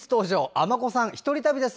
尼子さん、１人旅です。